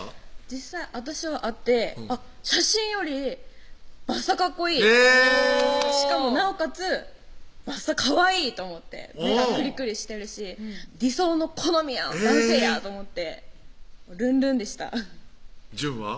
実際私は会って写真よりばっさカッコイイしかもなおかつばっさかわいいと思って目がくりくりしてるし理想の好みやん男性やと思ってルンルンでした淳は？